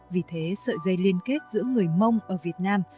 vì thế sợi dây liên kết giữa người mông ở việt nam